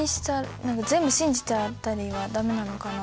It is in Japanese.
何か全部信じちゃったりは駄目なのかなって。